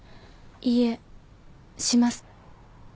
いいえします。